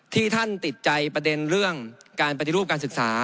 ที่ท่านติดใจประเด็นเรื่องการปฏิรูปการศึกษา